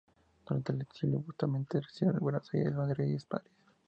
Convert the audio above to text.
Durante el exilio, Bustamante residió en Buenos Aires, Madrid y París.